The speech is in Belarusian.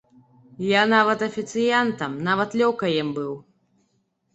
Я нават афіцыянтам, нават лёкаем быў.